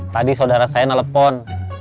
tadi saudara saya nelfon